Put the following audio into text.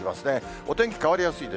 お天気変わりやすいです。